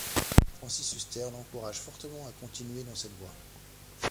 Francis Huster l’encourage fortement à continuer dans cette voie.